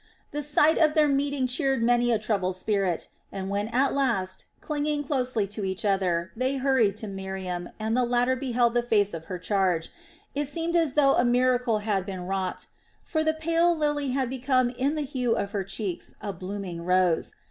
The sight of their meeting cheered many a troubled spirit and when at last, clinging closely to each other, they hurried to Miriam and the latter beheld the face of her charge, it seemed as though a miracle had been wrought; for the pale lily had become in the hue of her cheeks a blooming rose.